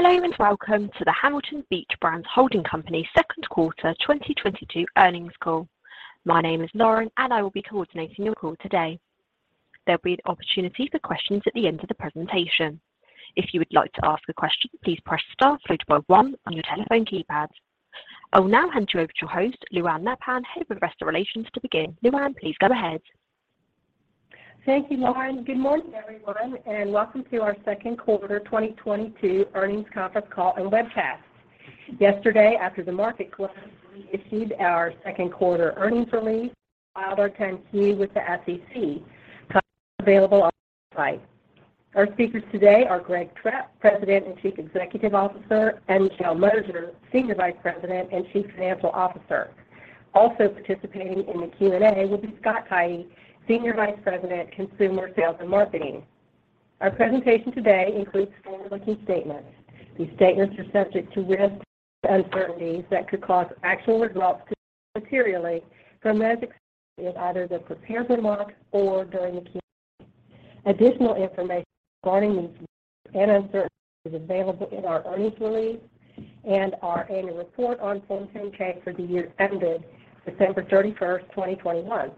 Hello, and welcome to the Hamilton Beach Brands Holding Company second quarter 2022 earnings call. My name is Lauren and I will be coordinating your call today. There'll be an opportunity for questions at the end of the presentation. If you would like to ask a question, please press star followed by one on your telephone keypad. I'll now hand you over to your host, Lou Anne Nabhan, Head of Investor Relations, to begin. Lou Anne, please go ahead. Thank you, Lauren. Good morning, everyone, and welcome to our second quarter 2022 earnings conference call and webcast. Yesterday, after the market closed, we issued our second quarter earnings release, filed our 10-K with the SEC. Content is available on the website. Our speakers today are Greg Trepp, President and Chief Executive Officer, and Michelle Mosier, Senior Vice President and Chief Financial Officer. Also participating in the Q&A will be Scott Tidey, Senior Vice President, Consumer Sales and Marketing. Our presentation today includes forward-looking statements. These statements are subject to risks and uncertainties that could cause actual results to differ materially from those expressed in either the prepared remarks or during the Q&A. Additional information regarding these risks and uncertainties is available in our earnings release and our annual report on Form 10-K for the year ended December 31, 2021.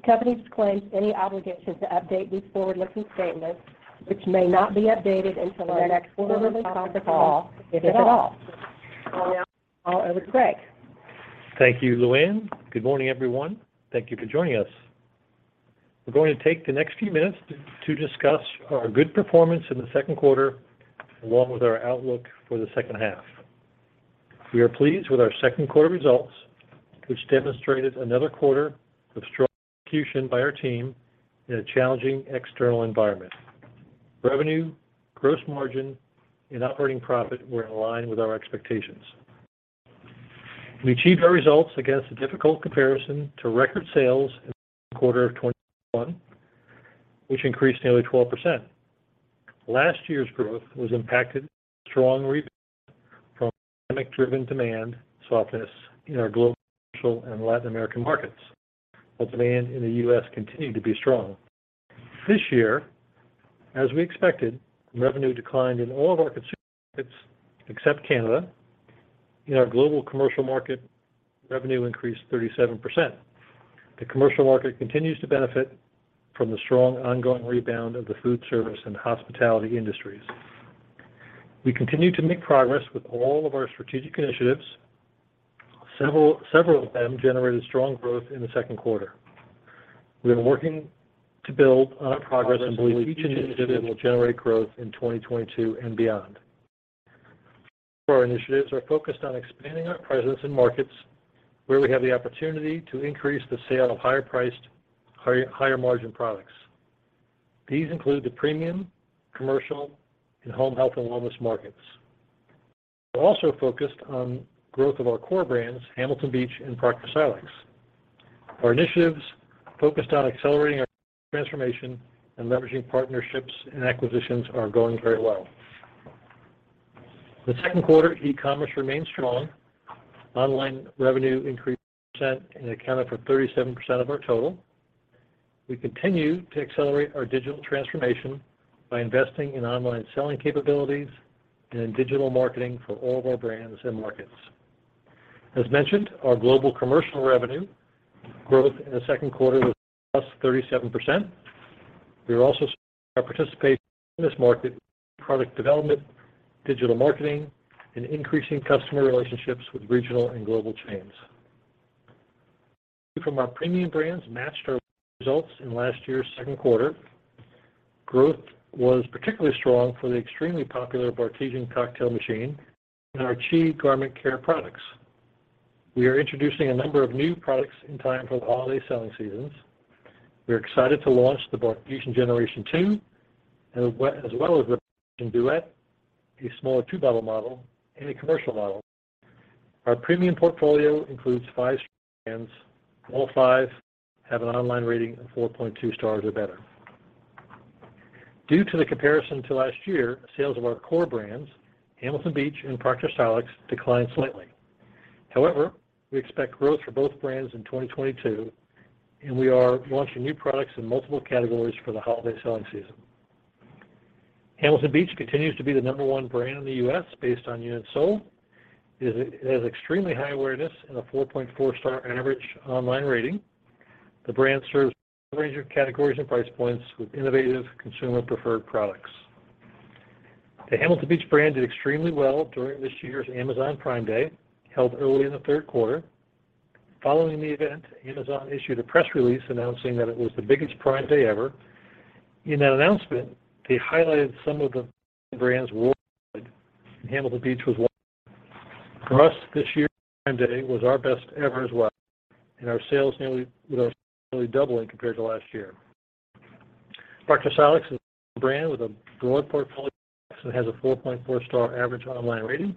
The company disclaims any obligation to update these forward-looking statements, which may not be updated until our next quarterly conference call, if at all. I'll now turn the call over to Greg. Thank you, Lou Anne. Good morning, everyone. Thank you for joining us. We're going to take the next few minutes to discuss our good performance in the second quarter, along with our outlook for the second half. We are pleased with our second quarter results, which demonstrated another quarter of strong execution by our team in a challenging external environment. Revenue, gross margin, and operating profit were in line with our expectations. We achieved our results against a difficult comparison to record sales in the second quarter of 2021, which increased nearly 12%. Last year's growth was impacted by a strong rebound from pandemic-driven demand softness in our global commercial and Latin American markets, while demand in the US continued to be strong. This year, as we expected, revenue declined in all of our consumer markets except Canada. In our global commercial market, revenue increased 37%. The commercial market continues to benefit from the strong ongoing rebound of the food service and hospitality industries. We continue to make progress with all of our strategic initiatives. Several of them generated strong growth in the second quarter. We have been working to build on our progress and believe each initiative will generate growth in 2022 and beyond. Four of our initiatives are focused on expanding our presence in markets where we have the opportunity to increase the sale of higher-priced, higher-margin products. These include the premium, commercial, and home health and wellness markets. We're also focused on growth of our core brands, Hamilton Beach and Proctor Silex. Our initiatives focused on accelerating our digital transformation and leveraging partnerships and acquisitions are going very well. In the second quarter, e-commerce remained strong. Online revenue increased 10% and accounted for 37% of our total. We continue to accelerate our digital transformation by investing in online selling capabilities and in digital marketing for all of our brands and markets. As mentioned, our global commercial revenue growth in the second quarter was +37%. We are also expanding our participation in this market through new product development, digital marketing, and increasing customer relationships with regional and global chains. Revenue from our premium brands matched our results in last year's second quarter. Growth was particularly strong for the extremely popular Bartesian cocktail machine and our CHI garment care products. We are introducing a number of new products in time for the holiday selling seasons. We are excited to launch the Bartesian Generation 2, as well as the Bartesian Duet, a smaller 2-bottle model, and a commercial model. Our premium portfolio includes 5 strong brands. All five have an online rating of 4.2 stars or better. Due to the comparison to last year, sales of our core brands, Hamilton Beach and Proctor Silex, declined slightly. However, we expect growth for both brands in 2022, and we are launching new products in multiple categories for the holiday selling season. Hamilton Beach continues to be the number one brand in the U.S. based on units sold. It has extremely high awareness and a 4.4 star average online rating. The brand serves a wide range of categories and price points with innovative consumer preferred products. The Hamilton Beach brand did extremely well during this year's Amazon Prime Day, held early in the third quarter. Following the event, Amazon issued a press release announcing that it was the biggest Prime Day ever. In that announcement, they highlighted some of the brands rewarded, and Hamilton Beach was one. For us, this year's Prime Day was our best ever as well, and our sales nearly doubling compared to last year. Proctor Silex is another brand with a growing portfolio of products and has a 4.4-star average online rating.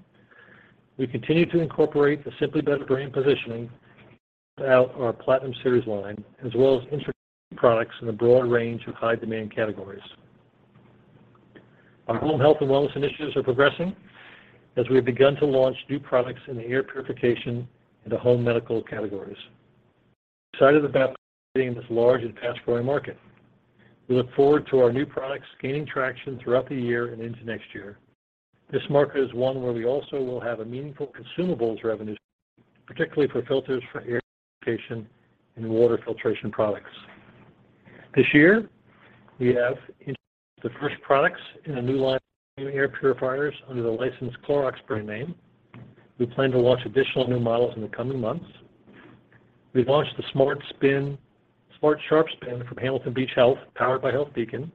We continue to incorporate the Simply Better brand positioning throughout our Platinum Series line, as well as introducing new products in a broad range of high demand categories. Our home health and wellness initiatives are progressing as we have begun to launch new products in the air purification and the home medical categories. Excited about being in this large and fast-growing market. We look forward to our new products gaining traction throughout the year and into next year. This market is one where we also will have a meaningful consumables revenue, particularly for filters for air purification and water filtration products. This year, we have introduced the first products in a new line of premium air purifiers under the licensed Clorox brand name. We plan to launch additional new models in the coming months. We've launched the Smart Sharps Bin from Hamilton Beach Health, powered by HealthBeacon,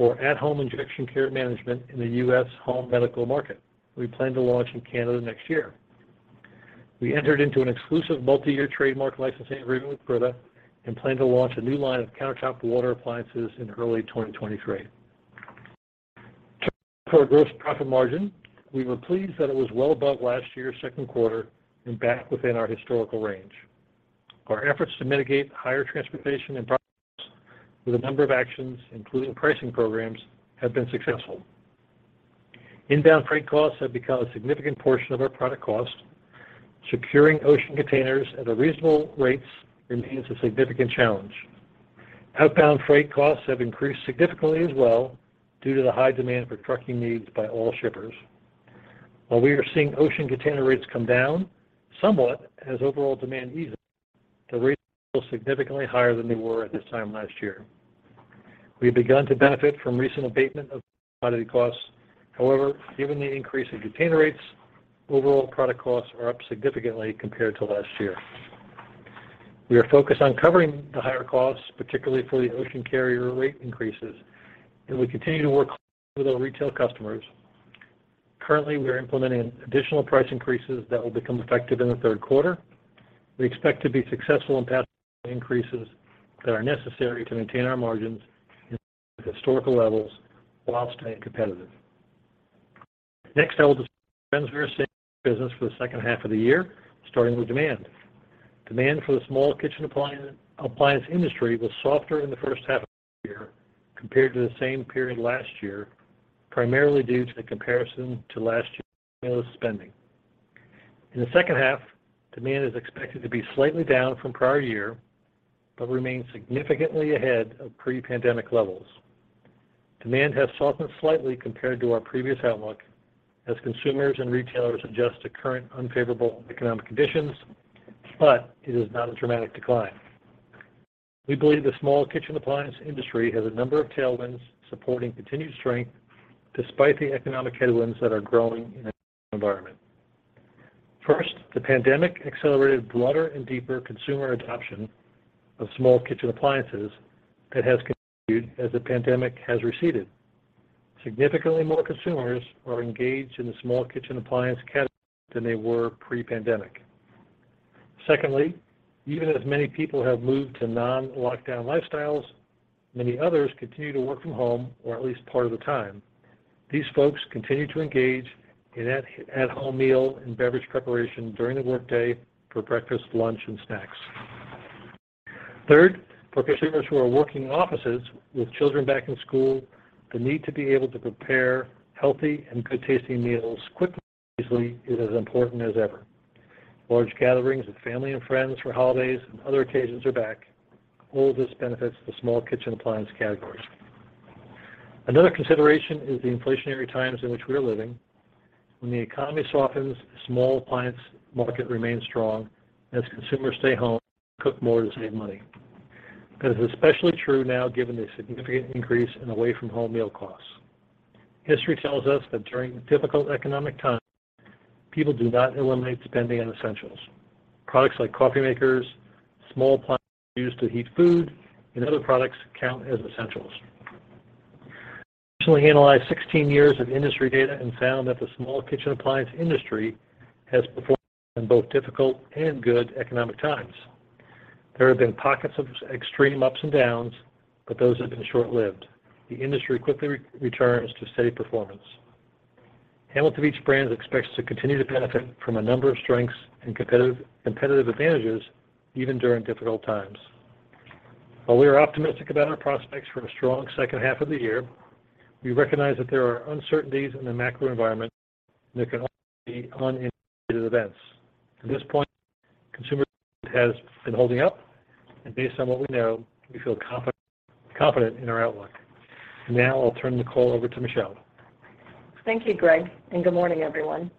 for at-home injection care management in the U.S. home medical market. We plan to launch in Canada next year. We entered into an exclusive multi-year trademark licensing agreement with Brita, and plan to launch a new line of countertop water appliances in early 2023. Turning now to our gross profit margin. We were pleased that it was well above last year's second quarter and back within our historical range. Our efforts to mitigate higher transportation and product costs with a number of actions, including pricing programs, have been successful. Inbound freight costs have become a significant portion of our product cost. Securing ocean containers at reasonable rates remains a significant challenge. Outbound freight costs have increased significantly as well due to the high demand for trucking needs by all shippers. While we are seeing ocean container rates come down somewhat as overall demand eases, the rates are still significantly higher than they were at this time last year. We've begun to benefit from recent abatement of commodity costs. However, given the increase in container rates, overall product costs are up significantly compared to last year. We are focused on covering the higher costs, particularly for the ocean carrier rate increases, and we continue to work closely with our retail customers. Currently, we are implementing additional price increases that will become effective in the third quarter. We expect to be successful in passing on the increases that are necessary to maintain our margins in line with historical levels while staying competitive. Next, I will discuss the trends we are seeing in our business for the second half of the year, starting with demand. Demand for the small kitchen appliance industry was softer in the first half of this year compared to the same period last year, primarily due to the comparison to last year's stimulus spending. In the second half, demand is expected to be slightly down from prior year, but remain significantly ahead of pre-pandemic levels. Demand has softened slightly compared to our previous outlook as consumers and retailers adjust to current unfavorable economic conditions, but it is not a dramatic decline. We believe the small kitchen appliance industry has a number of tailwinds supporting continued strength despite the economic headwinds that are growing in the current environment. First, the pandemic accelerated broader and deeper consumer adoption of small kitchen appliances that has continued as the pandemic has receded. Significantly more consumers are engaged in the small kitchen appliance category than they were pre-pandemic. Secondly, even as many people have moved to non-lockdown lifestyles, many others continue to work from home or at least part of the time. These folks continue to engage in at-home meal and beverage preparation during the workday for breakfast, lunch, and snacks. Third, for consumers who are working in offices with children back in school, the need to be able to prepare healthy and good-tasting meals quickly and easily is as important as ever. Large gatherings with family and friends for holidays and other occasions are back. All of this benefits the small kitchen appliance categories. Another consideration is the inflationary times in which we are living. When the economy softens, the small appliance market remains strong as consumers stay home and cook more to save money. That is especially true now given the significant increase in away-from-home meal costs. History tells us that during difficult economic times, people do not eliminate spending on essentials. Products like coffee makers, small appliances used to heat food, and other products count as essentials. We recently analyzed 16 years of industry data and found that the small kitchen appliance industry has performed well in both difficult and good economic times. There have been pockets of extreme ups and downs, but those have been short-lived. The industry quickly returns to steady performance. Hamilton Beach Brands expects to continue to benefit from a number of strengths and competitive advantages even during difficult times. While we are optimistic about our prospects for a strong second half of the year, we recognize that there are uncertainties in the macro environment that could also be unanticipated events. To this point, consumer demand has been holding up, and based on what we know, we feel confident in our outlook. Now I'll turn the call over to Michelle. Thank you, Greg, and good morning, everyone.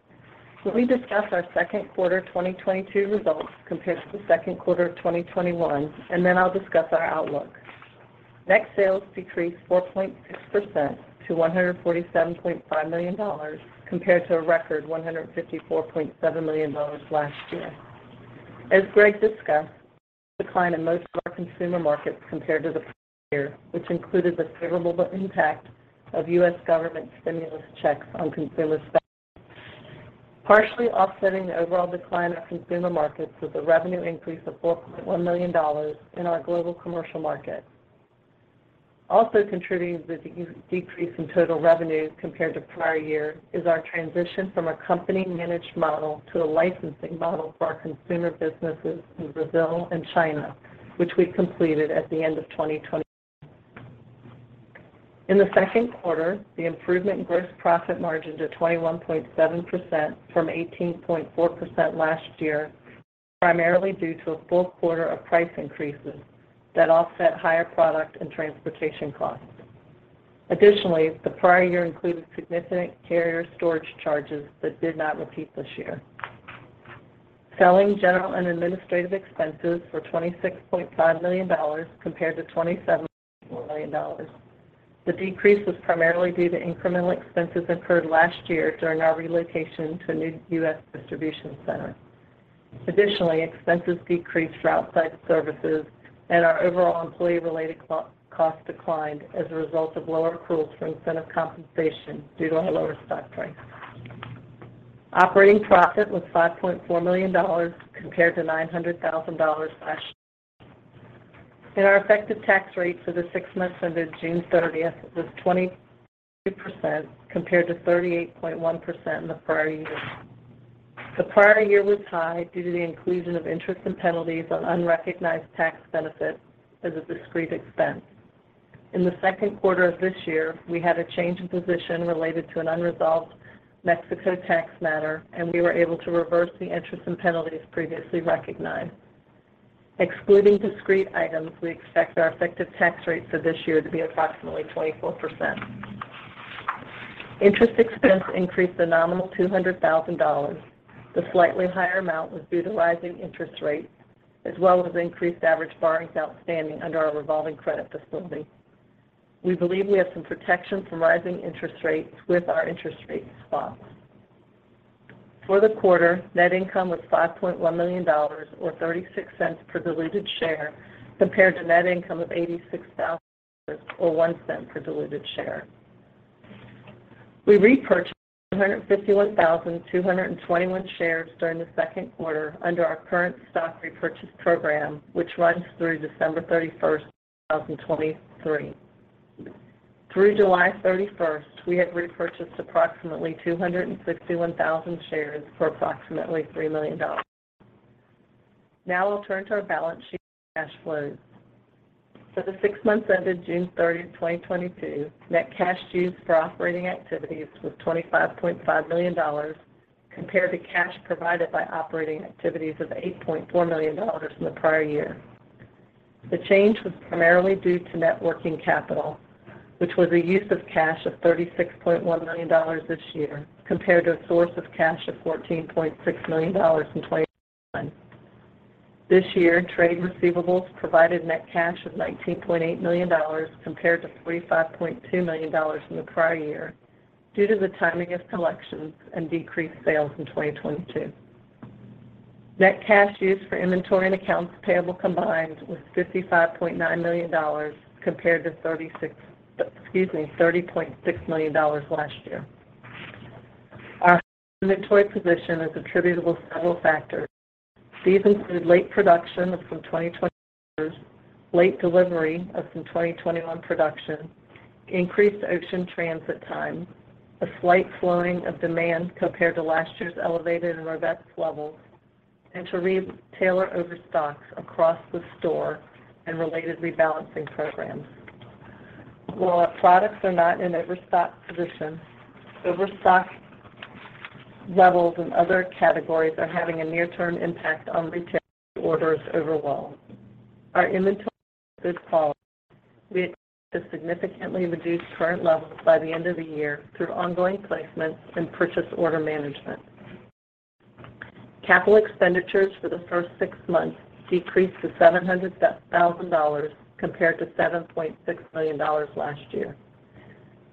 We'll discuss our second quarter 2022 results compared to the second quarter of 2021, and then I'll discuss our outlook. Next, sales decreased 4.6% to $147.5 million compared to a record $154.7 million last year. As Greg discussed, we saw a decline in most of our consumer markets compared to the prior year, which included the favorable impact of U.S. government stimulus checks on consumer spending. Partially offsetting the overall decline in our consumer markets was a revenue increase of $4.1 million in our global commercial market. Also contributing to the decrease in total revenues compared to prior year is our transition from a company-managed model to a licensing model for our consumer businesses in Brazil and China, which we completed at the end of 2022. In the second quarter, the improvement in gross profit margin to 21.7% from 18.4% last year, primarily due to a full quarter of price increases that offset higher product and transportation costs. Additionally, the prior year included significant carrier storage charges that did not repeat this year. Selling, general, and administrative expenses were $26.5 million compared to $27 million. The decrease was primarily due to incremental expenses incurred last year during our relocation to a new U.S. distribution center. Expenses decreased for outside services and our overall employee-related costs declined as a result of lower accruals for incentive compensation due to our lower stock price. Operating profit was $5.4 million compared to $900,000 last year. Our effective tax rate for the six months ended June 30th was 20% compared to 38.1% in the prior year. The prior year was high due to the inclusion of interest and penalties on unrecognized tax benefits as a discrete expense. In the second quarter of this year, we had a change in position related to an unresolved Mexico tax matter, and we were able to reverse the interest and penalties previously recognized. Excluding discrete items, we expect our effective tax rate for this year to be approximately 24%. Interest expense increased a nominal $200,000. The slightly higher amount was due to rising interest rates as well as increased average borrowings outstanding under our revolving credit facility. We believe we have some protection from rising interest rates with our interest rate swaps. For the quarter, net income was $5.1 million or $0.36 per diluted share compared to net income of $86,000 or $0.1 per diluted share. We repurchased 251,221 shares during the second quarter under our current stock repurchase program, which runs through December 31, 2023. Through July 31, we have repurchased approximately 261,000 shares for approximately $3 million. Now I'll turn to our balance sheet and cash flows. For the 6 months ended June 30, 2022, net cash used for operating activities was $25.5 million compared to cash provided by operating activities of $8.4 million in the prior year. The change was primarily due to net working capital, which was a use of cash of $36.1 million this year compared to a source of cash of $14.6 million in 2021. This year, trade receivables provided net cash of $19.8 million compared to $45.2 million in the prior year due to the timing of collections and decreased sales in 2022. Net cash used for inventory and accounts payable combined was $55.9 million compared to $30.6 million last year. Our inventory position is attributable to several factors. These include late production of some 2021 orders, late delivery of some 2021 production, increased ocean transit time, a slight slowing of demand compared to last year's elevated to our best levels, and retailer overstocks across the board and related rebalancing programs. While our products are not in an overstock position, overstock levels in other categories are having a near-term impact on retail orders overall. Our inventory is good quality. We expect to significantly reduce current levels by the end of the year through ongoing placements and purchase order management. Capital expenditures for the first six months decreased to $700,000 compared to $7.6 million last year.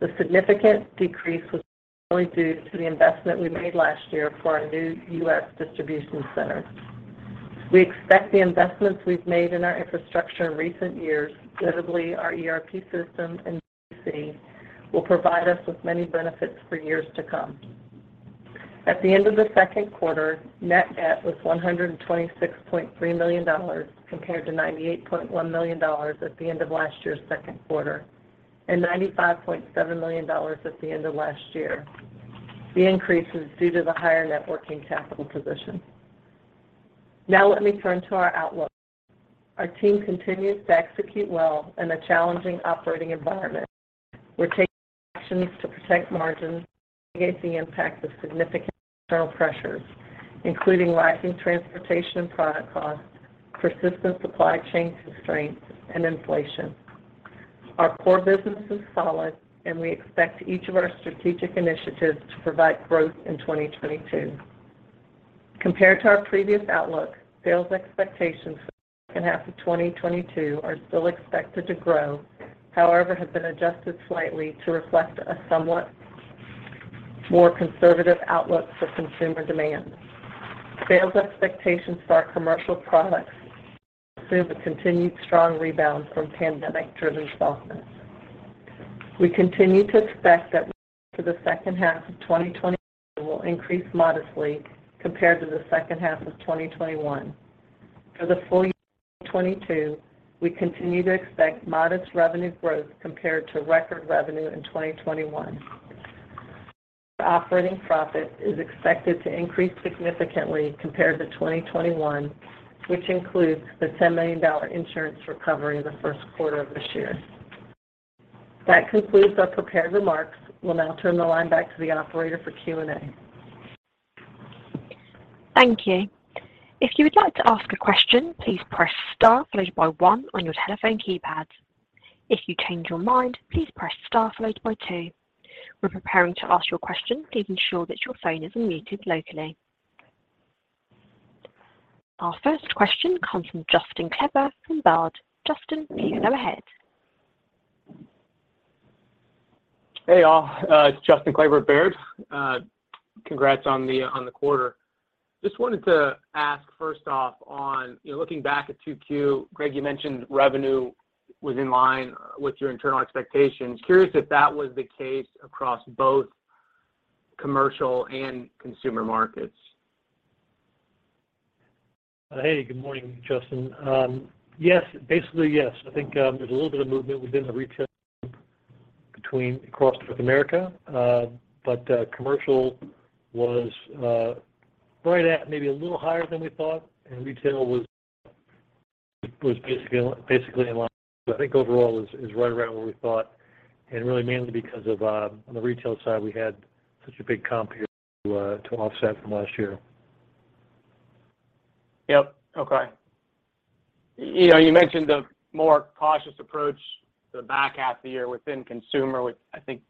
The significant decrease was primarily due to the investment we made last year for our new U.S. distribution center. We expect the investments we've made in our infrastructure in recent years, notably our ERP system and DC, will provide us with many benefits for years to come. At the end of the second quarter, net debt was $126.3 million compared to $98.1 million at the end of last year's second quarter and $95.7 million at the end of last year. The increase is due to the higher net working capital position. Now let me turn to our outlook. Our team continues to execute well in a challenging operating environment. We're taking actions to protect margins and mitigate the impact of significant external pressures, including rising transportation and product costs, persistent supply chain constraints, and inflation. Our core business is solid, and we expect each of our strategic initiatives to provide growth in 2022. Compared to our previous outlook, sales expectations for the second half of 2022 are still expected to grow, however, have been adjusted slightly to reflect a somewhat more conservative outlook for consumer demand. Sales expectations for our commercial products assume a continued strong rebound from pandemic-driven softness. We continue to expect that revenue for the second half of 2022 will increase modestly compared to the second half of 2021. For the full year 2022, we continue to expect modest revenue growth compared to record revenue in 2021. Operating profit is expected to increase significantly compared to 2021, which includes the $10 million insurance recovery in the first quarter of this year. That concludes our prepared remarks. We'll now turn the line back to the operator for Q&A. Thank you. If you would like to ask a question, please press star followed by one on your telephone keypad. If you change your mind, please press star followed by two. We're preparing to ask your question, please ensure that your phone is muted locally. Our first question comes from Justin Kleber from Baird. Justin, please go ahead. Hey, y'all. It's Justin Kleber at Baird. Congrats on the quarter. Just wanted to ask first off on, you know, looking back at 2Q, Greg, you mentioned revenue was in line with your internal expectations. Curious if that was the case across both commercial and consumer markets. Hey, good morning, Justin. Yes, basically, yes. I think there's a little bit of movement within the retail between across North America. Commercial was right at maybe a little higher than we thought, and retail was basically in line. I think overall is right around what we thought and really mainly because of on the retail side, we had such a big comp here to offset from last year. Yep. Okay. You know, you mentioned the more cautious approach to the back half of the year within consumer, which I think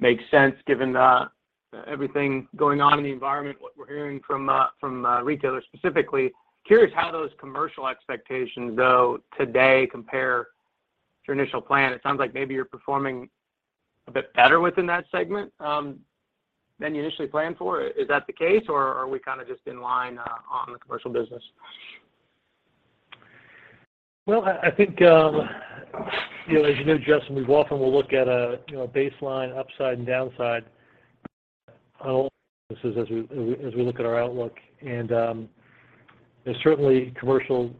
makes sense given everything going on in the environment, what we're hearing from from retailers specifically. Curious how those commercial expectations, though, today compare to your initial plan. It sounds like maybe you're performing a bit better within that segment than you initially planned for. Is that the case or are we kinda just in line on the commercial business? Well, I think, you know, as you know, Justin, we often will look at, you know, baseline upside and downside on all businesses as we look at our outlook. Certainly commercial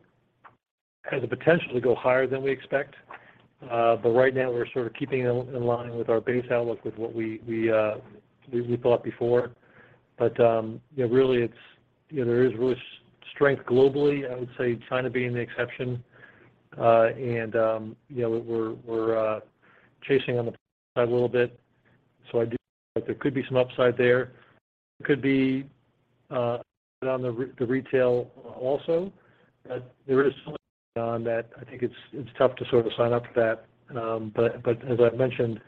has the potential to go higher than we expect, but right now we're sort of keeping it in line with our base outlook with what we thought before. You know, really it's, you know, there is really strength globally, I would say China being the exception. You know, we're chasing on the side a little bit, so I do think there could be some upside there. Could be on the retail also, but there is so much going on that I think it's tough to sort of sign up for that. As I've mentioned,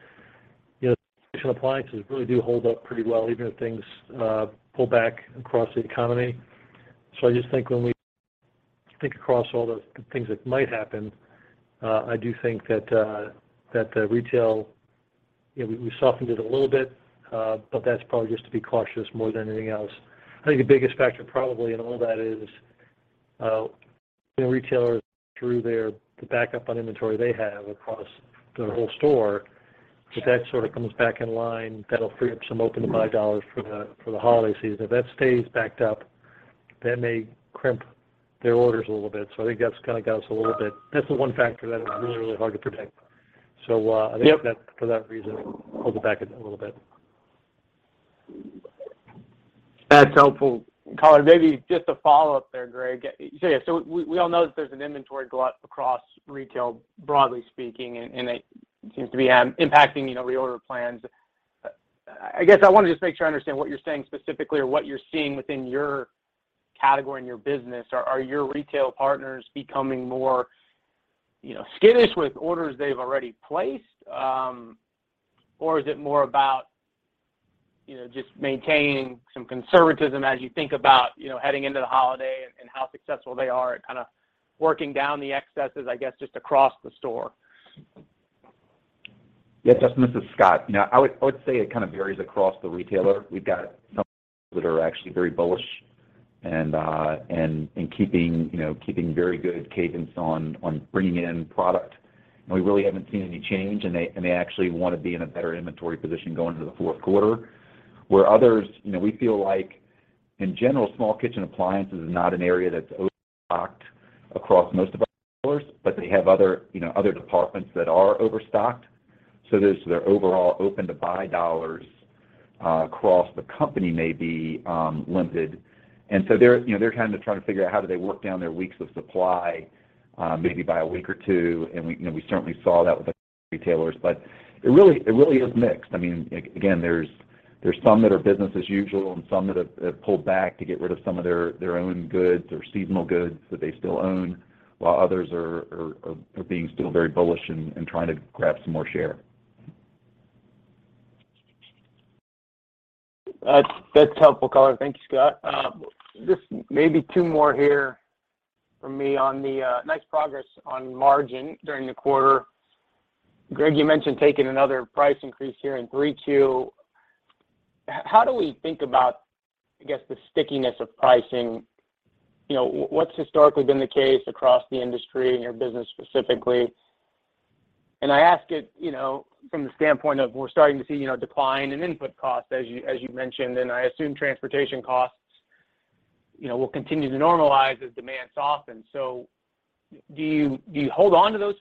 you know, appliances really do hold up pretty well even if things pull back across the economy. I just think when we think across all the things that might happen, I do think that retail, you know, we softened it a little bit, but that's probably just to be cautious more than anything else. I think the biggest factor probably in all that is, you know, retailers through their, the backup on inventory they have across their whole store, if that sort of comes back in line, that'll free up some open to buy dollars for the holiday season. If that stays backed up, that may crimp their orders a little bit. I think that's kind of got us a little bit. That's the one factor that is really, really hard to predict. Yep I think that for that reason, hold it back a little bit. That's helpful color. Maybe just a follow-up there, Greg. Yeah, we all know that there's an inventory glut across retail, broadly speaking, and it seems to be impacting, you know, reorder plans. I guess I want to just make sure I understand what you're saying specifically or what you're seeing within your category and your business. Are your retail partners becoming more, you know, skittish with orders they've already placed? Or is it more about, you know, just maintaining some conservatism as you think about, you know, heading into the holiday and how successful they are at kinda working down the excesses, I guess, just across the store? Yeah, Justin, this is Scott. You know, I would say it kind of varies across the retailer. We've got some that are actually very bullish and keeping very good cadence on bringing in product, and we really haven't seen any change, and they actually wanna be in a better inventory position going into the fourth quarter. Where others, you know, we feel like in general, small kitchen appliances is not an area that's overstocked across most of our retailers, but they have other departments that are overstocked. So there's their overall open to buy dollars across the company may be limited. They're, you know, they're kind of trying to figure out how do they work down their weeks of supply, maybe by a week or two, and we, you know, we certainly saw that with retailers. It really is mixed. I mean, again, there's some that are business as usual and some that have pulled back to get rid of some of their own goods or seasonal goods that they still own, while others are being still very bullish and trying to grab some more share. That's helpful color. Thank you, Scott. Just maybe two more here from me on the nice progress on margin during the quarter. Greg, you mentioned taking another price increase here in Q3 22. How do we think about, I guess, the stickiness of pricing? You know, what's historically been the case across the industry and your business specifically? I ask it, you know, from the standpoint of we're starting to see, you know, decline in input costs, as you mentioned, and I assume transportation costs, you know, will continue to normalize as demand softens. Do you hold on to those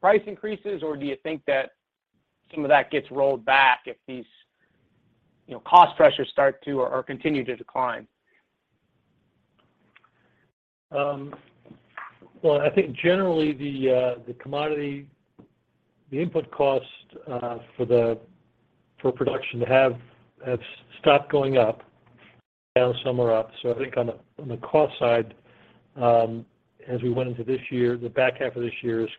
price increases, or do you think that some of that gets rolled back if these, you know, cost pressures start to or continue to decline? Well, I think generally the commodity input cost for production have stopped going up. Down some or up. I think on the cost side, as we went into this year, the back half of this year's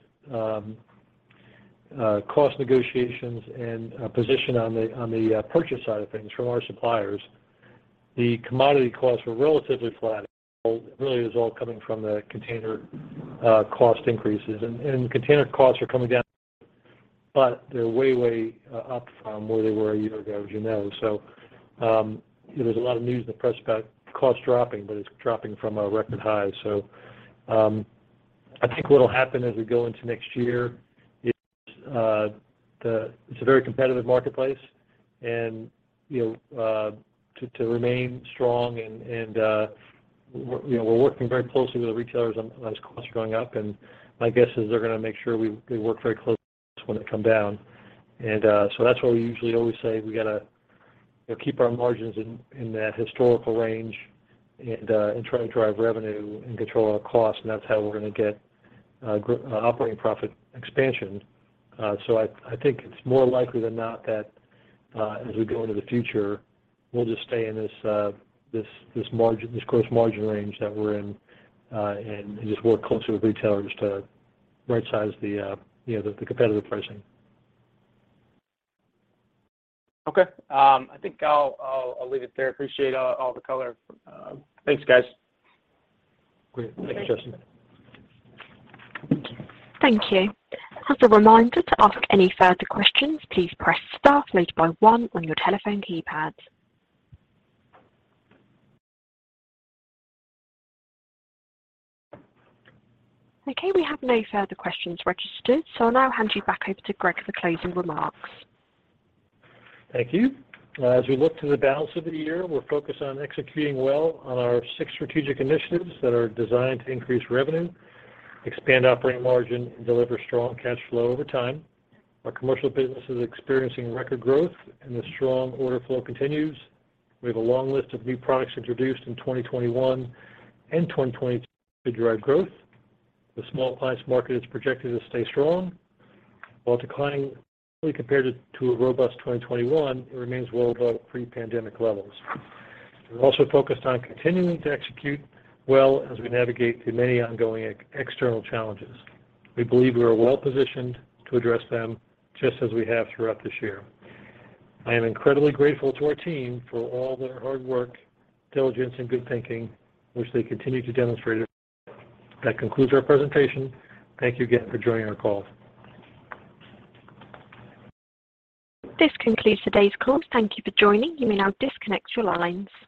cost negotiations and position on the purchase side of things from our suppliers, the commodity costs were relatively flat. Really it was all coming from the container cost increases. Container costs are coming down, but they're way up from where they were a year ago, as you know. There's a lot of news in the press about costs dropping, but it's dropping from a record high. I think what'll happen as we go into next year is the It's a very competitive marketplace and, you know, to remain strong and we're working very closely with the retailers on those costs going up, and my guess is they're gonna make sure we work very closely when they come down. That's why we usually always say we gotta keep our margins in that historical range and try to drive revenue and control our costs, and that's how we're gonna get operating profit expansion. I think it's more likely than not that as we go into the future, we'll just stay in this gross margin range that we're in and just work closely with retailers to rightsize the, you know, the competitive pricing. Okay. I think I'll leave it there. Appreciate all the color. Thanks, guys. Great. Thanks, Justin. Thank you. As a reminder to ask any further questions, please press star followed by one on your telephone keypad. Okay, we have no further questions registered, so I'll now hand you back over to Greg for closing remarks. Thank you. As we look to the balance of the year, we're focused on executing well on our six strategic initiatives that are designed to increase revenue, expand operating margin, and deliver strong cash flow over time. Our commercial business is experiencing record growth, and the strong order flow continues. We have a long list of new products introduced in 2021 and 2022 to drive growth. The small appliance market is projected to stay strong. While declining compared to a robust 2021, it remains well above pre-pandemic levels. We're also focused on continuing to execute well as we navigate through many ongoing external challenges. We believe we are well-positioned to address them just as we have throughout this year. I am incredibly grateful to our team for all their hard work, diligence and good thinking, which they continue to demonstrate. That concludes our presentation. Thank you again for joining our call. This concludes today's call. Thank you for joining. You may now disconnect your lines.